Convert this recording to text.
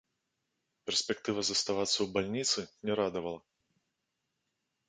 Перспектыва заставацца ў бальніцы не радавала.